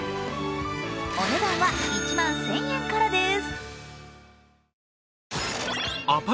お値段は１万１０００円からです。